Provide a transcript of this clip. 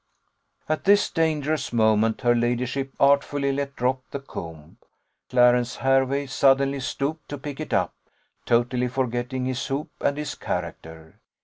At this dangerous moment her ladyship artfully let drop the comb. Clarence Hervey suddenly stooped to pick it up, totally forgetting his hoop and his character.